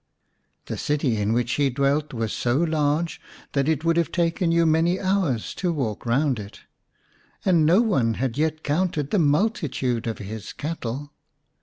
The city in which he dwelt was so large that it would have taken you many hours to walk round it, and no one had yet counted the multitude of his cattle.